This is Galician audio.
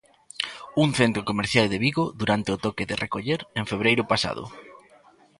Un centro comercial de Vigo durante o toque de recoller en febreiro pasado.